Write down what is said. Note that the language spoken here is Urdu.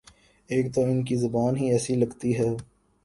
ایک تو ان کی زبان ہی ایسی لگتی ہے۔